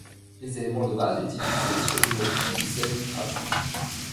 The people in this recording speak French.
Les éléments de base utilisés sont l'eau et du sel ultra pur.